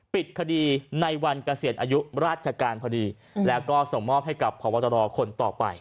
ปิดคดีในวันเกษียณอายุราชการพอดีแล้วก็ส่งมอบให้กับพบตรคนต่อไป